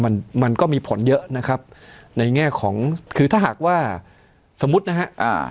มันมันก็มีผลเยอะนะครับในแง่ของคือถ้าหากว่าสมมุตินะฮะอ่า